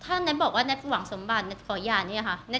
ถ้าเน็ตบอกว่าเน็ตหวังสมบัติเน็ตขอหย่าเนี่ยค่ะ